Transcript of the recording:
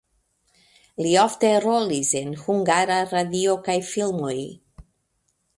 Li ofte rolis en Hungara Radio kaj filmoj.